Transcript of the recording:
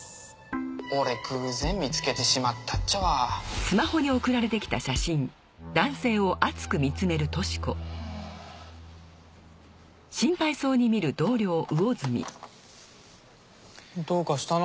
俺偶然見つけてしまったっちゃわぁどうかしたの？